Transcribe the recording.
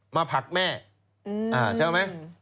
มาผักแม่อ่าใช่ไหม